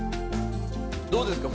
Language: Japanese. どうですか？